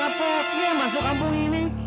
kau kapan kapan yang masuk kampung ini